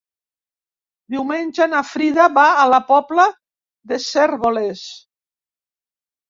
Diumenge na Frida va a la Pobla de Cérvoles.